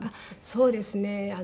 そうですね。